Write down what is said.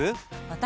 私？